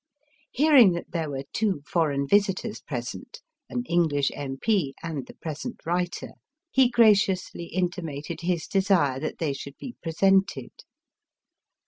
Hearing that there were two foreign visitors present, an English M.P. and the present writer, he graciously intimated his desire that they should be pre sented.